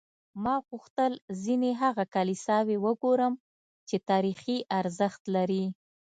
ما غوښتل ځینې هغه کلیساوې وګورم چې تاریخي ارزښت لري.